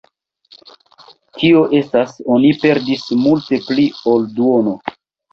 Tio estas oni perdis multe pli ol duono.